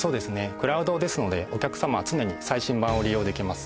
クラウドですのでお客様は常に最新版を利用できます。